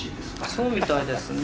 そうみたいですね。